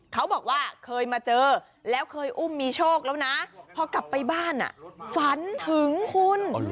เขาบอกว่าเคยมาเจอแล้วเคยอุ้มมีโชคแล้วนะพอกลับไปบ้านฝันถึงคุณ